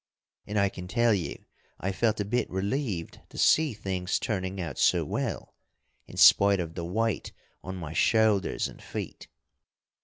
And I can tell you I felt a bit relieved to see things turning out so well, in spite of the weight on my shoulders and feet.